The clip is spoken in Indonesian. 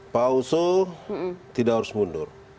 pak oso tidak harus mundur